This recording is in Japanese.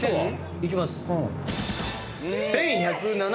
いきます。